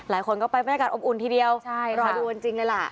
หลายคนก็ไปบรรยากาศอบอุ่นทีเดียวรอดูกันจริงเลยล่ะ